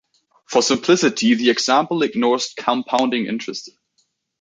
For simplicity, the example ignores compounding interest.